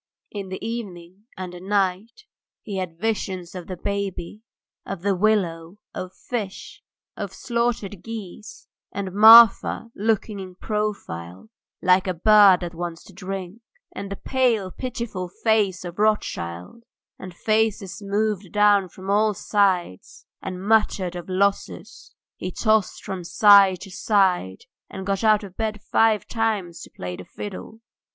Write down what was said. In the evening and the night he had visions of the baby, of the willow, of fish, of slaughtered geese, and Marfa looking in profile like a bird that wants to drink, and the pale, pitiful face of Rothschild, and faces moved down from all sides and muttered of losses. He tossed from side to side, and got out of bed five times to play the fiddle.